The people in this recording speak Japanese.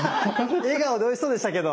笑顔でおいしそうでしたけど。